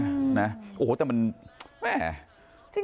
โอ้โหแต่มันแม่